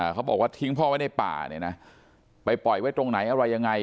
เขาบอกว่าทิ้งพ่อไว้ในป่าเนี่ยนะไปปล่อยไว้ตรงไหนอะไรยังไง